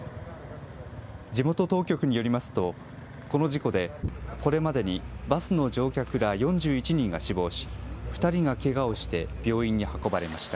地元当局によりますと、この事故でこれまでにバスの乗客ら４１人が死亡し、２人がけがをして、病院に運ばれました。